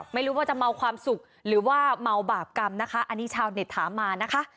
ไม่รู้ว่าจะเมาความสุขหรือว่าเมาบาปกรรมนะคะอันนี้ชาวเน็ตถามมานะคะ